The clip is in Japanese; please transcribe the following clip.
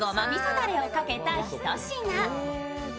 だれをかけた一品。